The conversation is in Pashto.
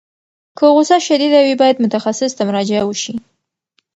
که غوسه شدید وي، باید متخصص ته مراجعه وشي.